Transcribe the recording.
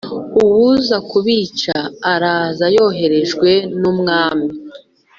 uwuza kubica araza yoherejwe numwami